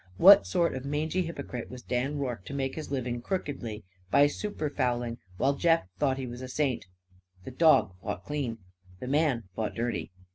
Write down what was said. What sort of mangy hypocrite was Dan Rorke to make his living crookedly, by super fouling, while Jeff thought he was a saint? The dog fought clean. The man fought dirty.